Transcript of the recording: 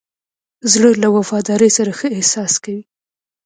زړه له وفادارۍ سره ښه احساس کوي.